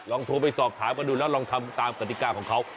โทรไปสอบถามกันดูแล้วลองทำตามกติกาของเขา